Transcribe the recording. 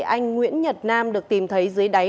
anh nguyễn nhật nam được tìm thấy dưới đáy